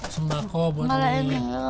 sembako buat umi